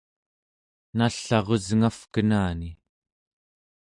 nall'arusngavkenani